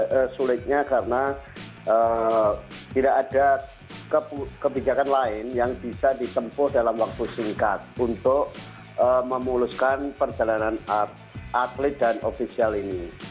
karena sulitnya karena tidak ada kebijakan lain yang bisa ditempuh dalam waktu singkat untuk memuluskan perjalanan atlet dan ofisial ini